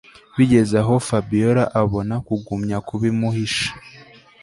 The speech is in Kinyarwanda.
Bigezaho Fabiora abona kugumya kubimuhisha